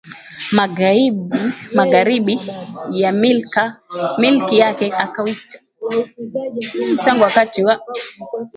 magharibi ya milki yake akauita Sankt Peterburg Tangu wakati wa